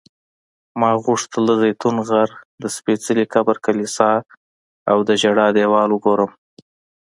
ما غوښتل د زیتون غر، د سپېڅلي قبر کلیسا او د ژړا دیوال وګورم.